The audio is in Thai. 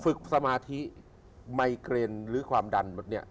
สมาธิไมเกรนหรือความดันแบบนี้